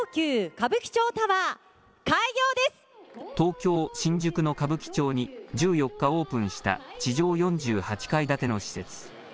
東京、新宿の歌舞伎町に１４日オープンした地上４８階建ての施設。